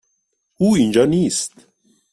او اینجا نیست.